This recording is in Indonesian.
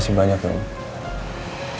ya sudah great ini om trus